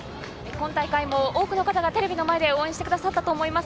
今大会も多くの方がテレビで応援していたと思います。